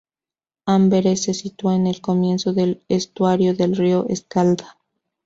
Amberes se sitúa en el comienzo del estuario del río Escalda.